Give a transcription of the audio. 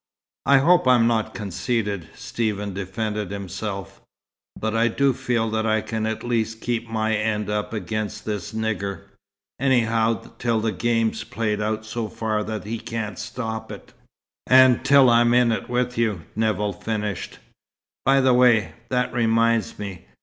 "I hope I'm not conceited," Stephen defended himself, "but I do feel that I can at least keep my end up against this nigger, anyhow till the game's played out so far that he can't stop it." "And till I'm in it with you," Nevill finished. "By the way, that reminds me.